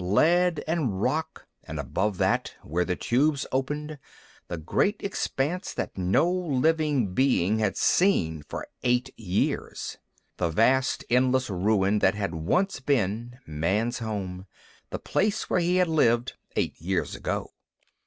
Lead and rock, and above that, where the tubes opened, the great expanse that no living being had seen for eight years, the vast, endless ruin that had once been Man's home, the place where he had lived, eight years ago.